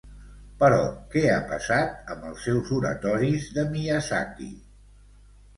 Però, què ha passat amb els seus oratoris de Miyazaki?